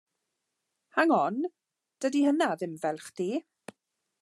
Hang on, dydi hynna ddim fel chdi.